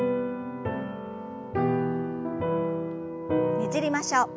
ねじりましょう。